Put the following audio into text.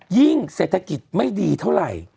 เศรษฐกิจไม่ดีเท่าไหร่